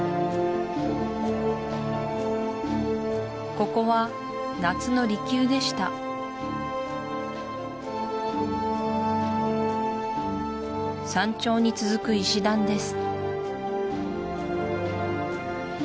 ここは夏の離宮でした山頂に続く石段です